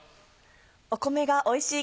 お米がおいしい